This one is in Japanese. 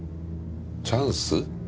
チャンス？